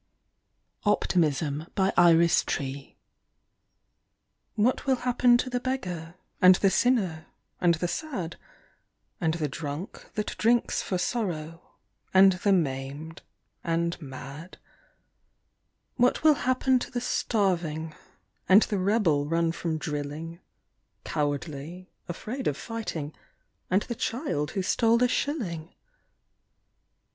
60 IRIS TREE. OPTIMISM. WHAT will happen to the beggar, and the sinner, and the sad, And the drunk that drinks for sorrow, and the maimed, and mad ; What will happen to the starving, and the rebel run from drilling, Cowardly, afraid of fighting, and the child who stole a shilling